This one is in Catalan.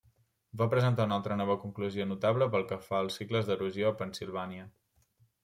Va presentar una altra nova conclusió notable pel que fa als cicles d'erosió a Pennsilvània.